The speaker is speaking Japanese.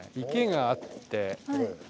池があって。